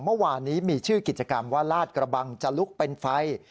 เมื่อวานนี้มีชื่อกิจกรรมว่าลาดกระบังจะลุกเป็นไฟ